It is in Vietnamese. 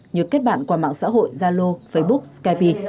như kết bản qua mạng xã hội gia lô facebook skype